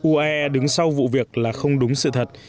uae đứng sau vụ việc là không đúng sự thật